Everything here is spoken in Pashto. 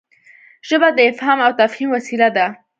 ژبه د افهام او تفهیم وسیله ده.